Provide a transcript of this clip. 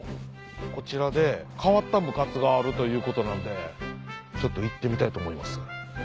こちらで変わった部活があるということなんでちょっと行ってみたいと思います。